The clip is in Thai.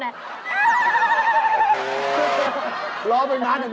เจ๊ขอวอร์มลูกคอหน่อย